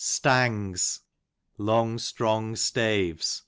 Stangs, long, strong staves.